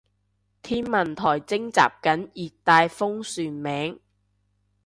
天文台徵集緊熱帶風旋名